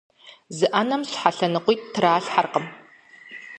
Зы Ӏэнэм щхьэ лъэныкъуитӀ тралъхьэркъым.